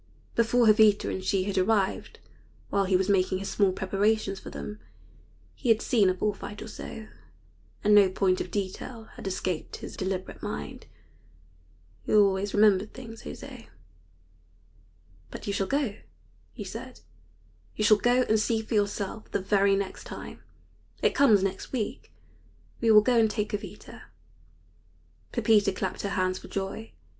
Before Jovita and she had arrived, while he was making his small preparations for them, he had seen a bull fight or so, and no point of detail had escaped his deliberate mind. He always remembered things José. "But you shall go," he said; "you shall go and see for yourself the very next time. It comes next week. We will go and take Jovita." Pepita clapped her hands for joy.